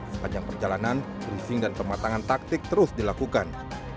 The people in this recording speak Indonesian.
sepanjang perjalanan briefing dan pematangan taktik terus dilakukan